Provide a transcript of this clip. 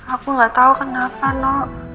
aku nggak tahu kenapa no